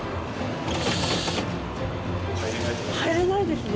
入れないですね。